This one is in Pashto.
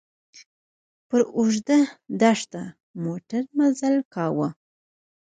پر اوږده دښته موټر مزل کاوه.